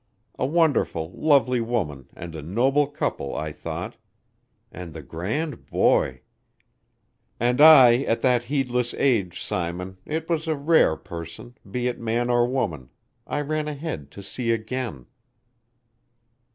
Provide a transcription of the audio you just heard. A wonderful, lovely woman and a noble couple, I thought. And the grand boy! And I at that heedless age, Simon, it was a rare person, be it man or woman, I ran ahead to see again."